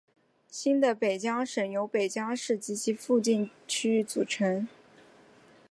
新的北江省由北江市及其附近区域组成。